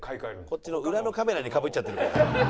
こっちの裏のカメラにかぶっちゃってるから。